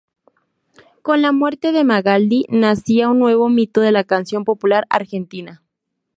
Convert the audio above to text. Con la muerte de Magaldi, nacía un nuevo mito de la canción popular argentina.